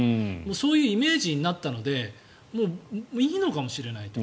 そういうイメージになったのでもういいのかもしれないと。